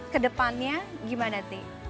kedepannya gimana ti